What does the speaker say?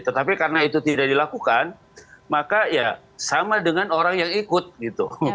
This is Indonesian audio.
tetapi karena itu tidak dilakukan maka ya sama dengan orang yang ikut gitu